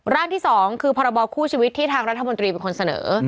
ร่างที่๒คือพรบคู่ชีวิตที่ทางรัฐมนตรีเป็นคนเสนอ